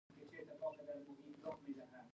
نه یوازې ده ته ګټه ونه کړه.